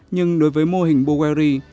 nhưng đối với mô hình bowery